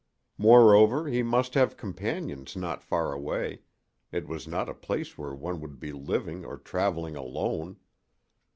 Moreover, he must have companions not far away; it was not a place where one would be living or traveling alone.